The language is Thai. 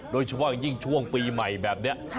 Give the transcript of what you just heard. โดยเฉพาะอย่างยิ่งช่วงปีใหม่แบบนี้